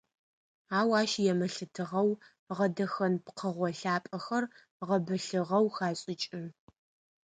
Ау ащ емылъытыгъэу гъэдэхэн пкъыгъо лъапӏэхэр гъэбылъыгъэу хашӏыкӏы.